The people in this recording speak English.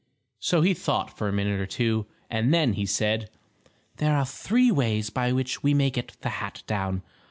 So he thought for a minute or two, and then he said: "There are three ways by which we may get the hat down.